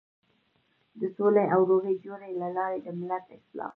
د سولې او روغې جوړې له لارې د ملت اصلاح.